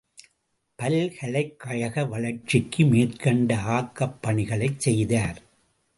பல்கலைக் கழக வளர்ச்சிக்கு மேற்கண்ட ஆக்கப் பணிகளைச் செய்தார்.